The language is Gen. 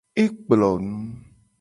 E kplo nu.